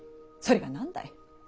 それが何だい。